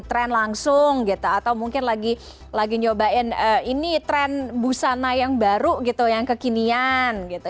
tren langsung gitu atau mungkin lagi nyobain ini tren busana yang baru gitu yang kekinian gitu